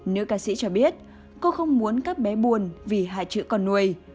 nữ ca sĩ cho biết cô không muốn các bé buồn vì hai chữ con nuôi